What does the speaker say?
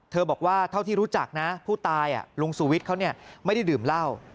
บอกว่าเท่าที่รู้จักนะผู้ตายลุงสุวิทย์เขาไม่ได้ดื่มเหล้า